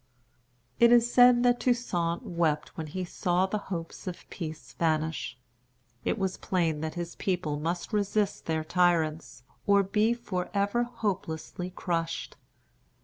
It is said that Toussaint wept when he saw the hopes of peace vanish. It was plain that his people must resist their tyrants, or be forever hopelessly crushed.